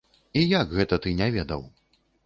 І як гэта ты не ведаў?